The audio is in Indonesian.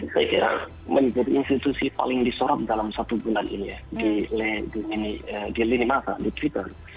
saya kira menjadi institusi paling disorot dalam satu bulan ini ya di lini masa di twitter